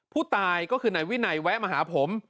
ผู้ตายก็คือนายวินัยแวะมาหาผม